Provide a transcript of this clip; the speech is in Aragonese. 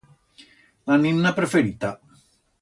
La ninna preferita.